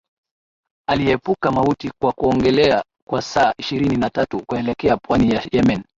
aliyeepuka mauti kwa kuogelea kwa saa ishirini na tatu kuelekea pwani ya yemen